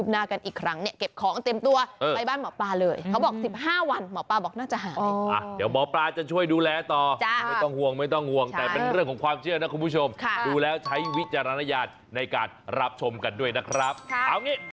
ไม่ต้องห่วงไม่ต้องห่วงแต่เป็นเรื่องของความเชื่อนะคุณผู้ชมค่ะดูแล้วใช้วิจารณญาณในการรับชมกันด้วยนะครับครับ